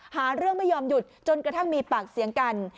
หาเรื่องไม่ยอมหยุดจนกระทั่งมีปากเสียงกัน